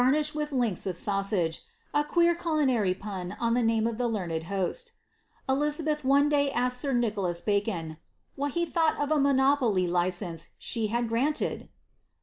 335 funished with links of sausages, a queer culinary pun on the name of the ieuned host Eliabeth one day asked Sir Nicholas Bacon, <^ what he thought of a Moopoly license she had granted